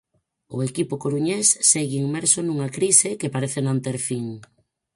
O equipo coruñés segue inmerso nunha crise que parece non ter fin.